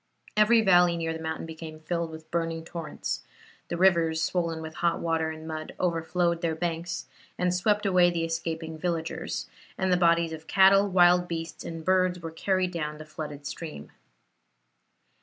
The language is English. Every valley near the mountain became filled with burning torrents; the rivers, swollen with hot water and mud, overflowed their banks, and swept away the escaping villagers; and the bodies of cattle, wild beasts, and birds were carried down the flooded stream.